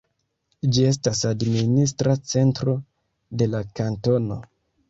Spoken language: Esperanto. Ĝi estas administra centro de la kantono.